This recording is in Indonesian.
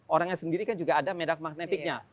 orangnya sendiri kan juga ada medan magnetiknya